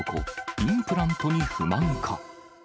インプラントに不満か？